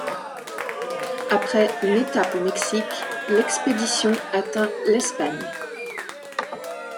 Après une étape au Mexique, l'expédition atteint l'Espagne.